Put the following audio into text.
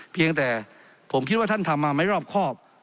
เพียงแต่ผมคิดว่าท่านทำมาไม่รอบครอบ